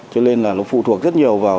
cho nên là nó phụ thuộc rất nhiều vào